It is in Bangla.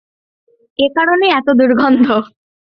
এ কারণেই এত দুর্গন্ধ।